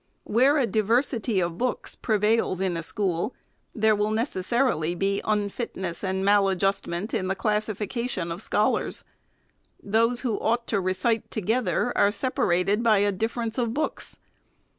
Where a diversity of books prevails in a school, there will necessarily be unut nessandmal adjustment in the classification of scholars. Those who ought to recite together are separated by a difference of books.